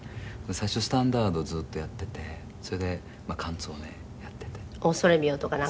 最初、スタンダードをずっとやっててそれでカンツォーネやってて。